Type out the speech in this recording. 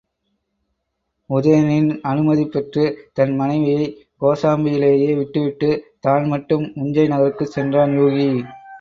உதயணனின் அனுமதி பெற்றுத் தன் மனைவியைக் கோசாம்பியிலேயே விட்டுவிட்டுத் தான் மட்டும் உஞ்சை நகருக்குச் சென்றான் யூகி.